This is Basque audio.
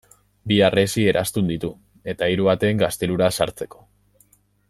Bi harresi eraztun ditu eta hiru ate gaztelura sartzeko.